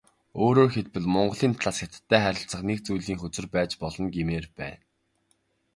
Өөрөөр хэлбэл, Монголын талаас Хятадтай харилцах нэг зүйлийн хөзөр байж болно гэмээр байна.